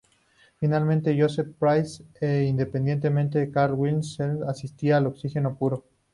Finalmente, Joseph Priestley e, independientemente, Carl Wilhelm Scheele aíslan oxígeno puro.